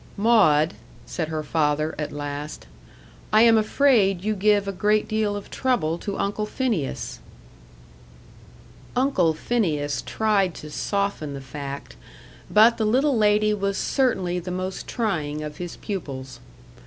"Maud," said her father, at last, "I am afraid you give a great deal of trouble to Uncle Phineas." Uncle Phineas tried to soften the fact, but the little lady was certainly the most trying of his pupils.